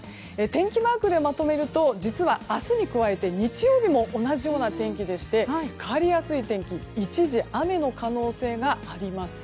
天気マークでまとめると実は明日に加えて日曜日も同じような天気でして変わりやすい天気一時雨の可能性があります。